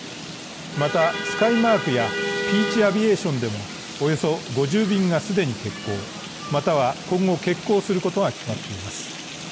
また、スカイマークやピーチ・アビエーションでもおよそ５０便が既に欠航、または今後、欠航することが決まっています。